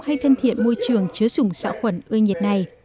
hay thân thiện môi trường chứa chủng xạo khuẩn ưa nhiệt này